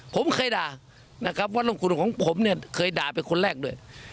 ผมเคยด่าวัดลงคุณของผมเคยด่าเป็นคนแรกด้วย